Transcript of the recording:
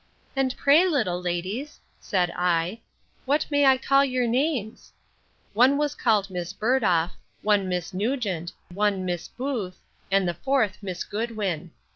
And pray, little ladies, said I, what may I call your names? One was called Miss Burdoff, one Miss Nugent, one Miss Booth, and the fourth Miss Goodwin.